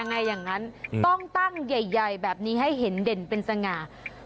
อย่างนั้นต้องตั้งใหญ่แบบนี้ให้เห็นเด่นเป็นสง่า